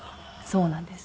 そうなんです。